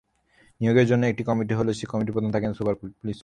নিয়োগের জন্য একটি কমিটি হলেও সেই কমিটির প্রধান থাকেন পুলিশ সুপার।